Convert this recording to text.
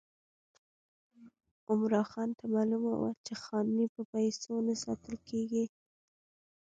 عمرا خان ته معلومه وه چې خاني په پیسو نه ساتل کېږي.